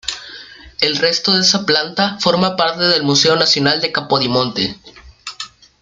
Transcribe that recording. El resto de esa planta forma parte del Museo Nacional de Capodimonte.